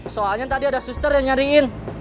soalnya tadi ada suster yang nyariin